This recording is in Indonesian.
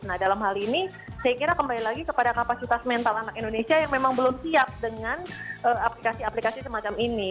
nah dalam hal ini saya kira kembali lagi kepada kapasitas mental anak indonesia yang memang belum siap dengan aplikasi aplikasi semacam ini